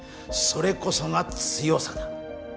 それこそが強さだ。